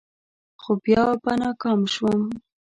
خو بیا به ناکام شوم.